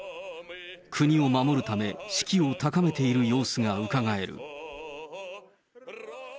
国を守るため、士気を高めている様子がうかがえる。